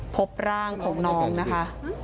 พบร่างของน้องนะคะ